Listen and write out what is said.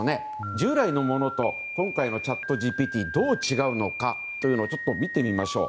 従来のものと今回のチャットＧＰＴどう違うのかというのを見てみましょう。